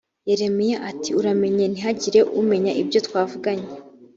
yeremiya ati uramenye ntihagire umenya ibyo twavuganye